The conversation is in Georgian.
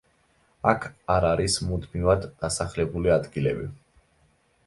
აქ არ არის მუდმივად დასახლებული ადგილები.